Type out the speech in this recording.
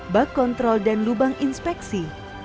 bak kontrol dan lubang inspeksi